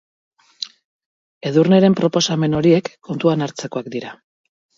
Edurneren proposamen horiek kontuan hartzekoak dira.